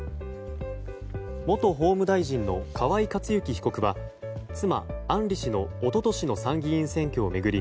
元法務大臣の河井克行被告は妻・案里氏の一昨年の参議院選挙を巡り